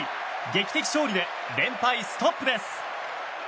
劇的勝利で連敗ストップです。